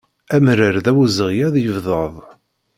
Amrar d awezɣi ad yebded.